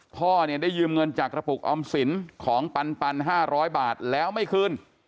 พ่อเนี่ยได้ยืมเงินจากกระปุกออมสินของปัน๕๐๐บาทแล้วไม่คืน